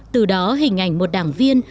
từ đó hình ảnh một đảng viên